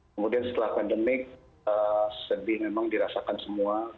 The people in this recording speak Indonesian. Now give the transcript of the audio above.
kemudian setelah pandemik sedih memang dirasakan semua